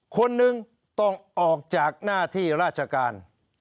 คนหนึ่งต้องออกจากหน้าที่ราชการ